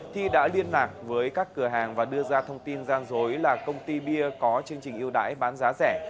thi đã liên lạc với các cửa hàng và đưa ra thông tin gian dối là công ty bia có chương trình yêu đáy bán giá rẻ